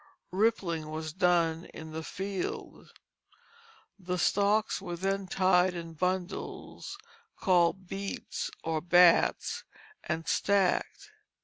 Rippling was done in the field. The stalks were then tied in bundles called beats or bates and stacked.